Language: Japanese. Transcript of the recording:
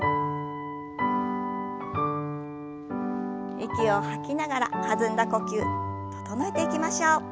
息を吐きながら弾んだ呼吸整えていきましょう。